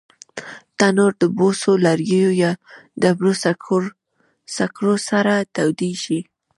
تنور د بوسو، لرګیو یا ډبرو سکرو سره تودېږي